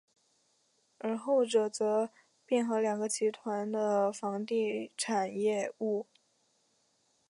而后者则合并两个集团的房地产业务。